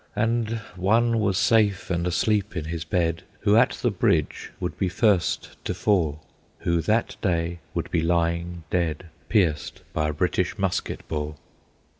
And one was safe and asleep in his bed Who at the bridge would be first to fall, Who that day would be lying dead, Pierced by a British musket ball.